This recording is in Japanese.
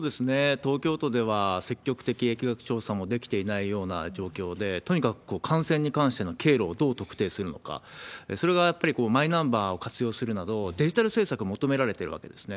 東京都では積極的疫学調査もできていないような状況で、とにかく感染に関しての経路をどう特定するのか、それはやっぱりマイナンバーを活用するなど、デジタル政策を求められているわけですね。